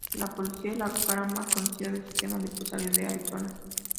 El policía es la cara más conocida del sistema represivo de Arizona.